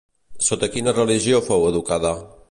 Sota quina religió fou educada?